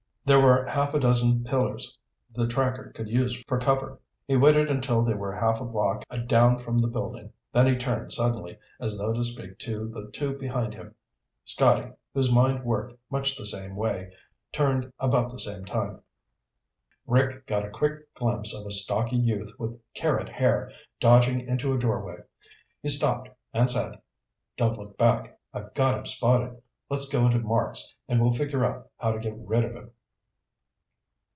There were a half dozen pillars the tracker could use for cover. He waited until they were a half block down from the building, then he turned suddenly as though to speak to the two behind him. Scotty, whose mind worked much the some way, turned at about the same time. Rick got a quick glimpse of a stocky youth with carrot hair dodging into a doorway. He stopped and said, "Don't look back. I've got him spotted. Let's go into Mark's and we'll figure out how to get rid of him."